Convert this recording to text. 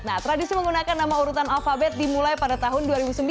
nah tradisi menggunakan nama urutan alphabet dimulai pada tahun dua ribu sembilan